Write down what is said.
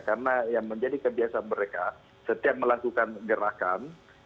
karena yang menjadi kebiasaan mereka setiap melakukan gerakan